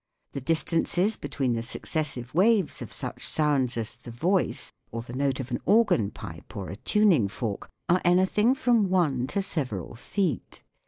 The distances between the successive waves of such sounds as the voice, or the note of an organ pipe or a tuning fork, are anything from one to several feet.